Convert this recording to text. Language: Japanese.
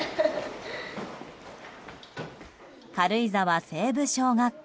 軽井沢西部小学校。